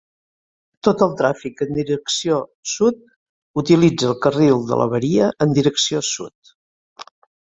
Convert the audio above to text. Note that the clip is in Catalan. Tot el tràfic en direcció sud utilitza el carril de l'avaria en direcció sud.